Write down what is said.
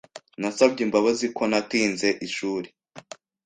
Nasabye imbabazi ko natinze ishuri.